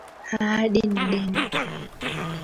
Ahadi ni deni